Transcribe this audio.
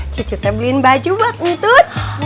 cucutnya beliin baju buat ntut